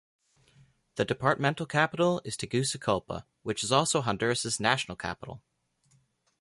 The departmental capital is Tegucigalpa, which is also Honduras's national capital.